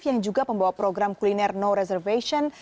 yang juga pembawa program kuliner no reservation